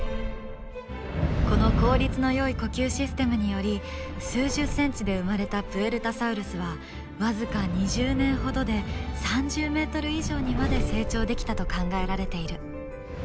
この効率のよい呼吸システムにより数十センチで生まれたプエルタサウルスは僅か２０年ほどで３０ｍ以上にまで成長できたと考えられている。